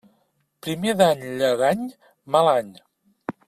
Primer d'any llegany, mal any.